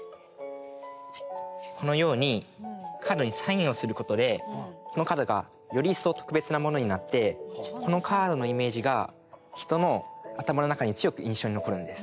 このようにカードにサインをすることでこのカードがより一層特別なものになってこのカードのイメージが人の頭の中に強く印象に残るんです。